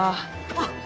あっ！